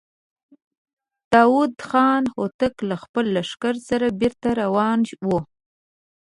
داوود خان هوتک له خپل لښکر سره بېرته را روان و.